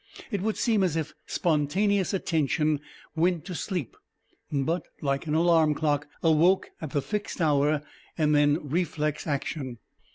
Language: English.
It would seem as if spontaneous attention went to sleep, but, like an alarm clock, awoke at the fixed hour, and then reflex action.